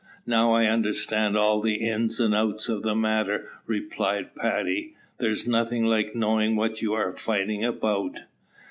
"Now I understand all the ins and outs of the matter," replied Paddy. "There's nothing like knowing what you are fighting about."